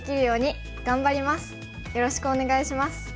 よろしくお願いします。